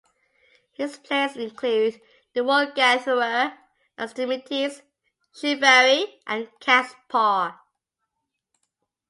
His plays include "The Woolgatherer", "Extremities", "Shivaree", and "Cat's Paw".